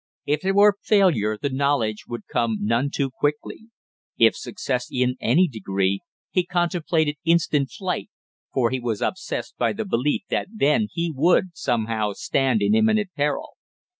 If it were failure the knowledge would come none too quickly; if success, in any degree, he contemplated instant flight, for he was obsessed by the belief that then he would somehow stand in imminent peril.